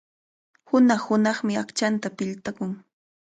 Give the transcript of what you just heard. Hunaq-hunaqmi aqchanta piltakun.